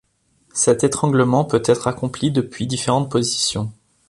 Cet étranglement peut être accompli depuis différentes positions.